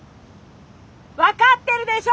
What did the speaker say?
分かってるでしょ！